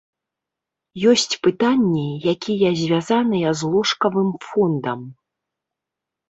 Ёсць пытанні, якія звязаныя з ложкавым фондам.